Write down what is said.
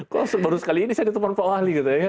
kok baru sekali ini saya ditemani pak wali